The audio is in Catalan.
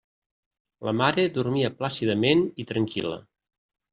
La mare dormia plàcidament i tranquil·la.